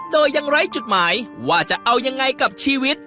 โดยยังไร้จุดหมายว่าจะเอายังไงกับชีวิต